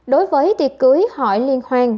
đối với tiệc cưới hỏi liên hoàn